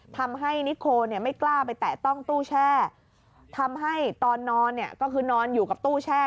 ทำให้นิโคไม่กล้าไปแตะต้องตู้แช่ทำให้ตอนนอนเนี่ยก็คือนอนอยู่กับตู้แช่